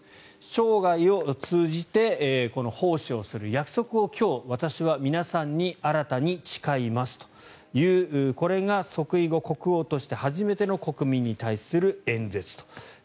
生涯を通じて奉仕をする約束を今日、私は皆さんに新たに誓いますというこれが即位後国王として初めての国民に対する演説と。